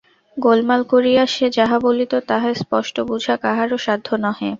গোলমাল করিয়া সে যাহা বলিত তাহা স্পষ্ট বুঝা কাহারো সাধ্য নহে।